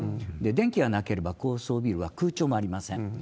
電気がなければ高層ビルは空調もありません。